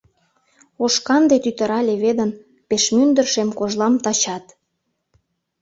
Ош-канде тӱтыра леведын Пеш мӱндыр шем кожлам тачат.